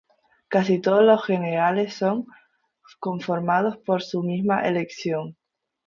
Casi todos los generales son confirmados por su misma elección.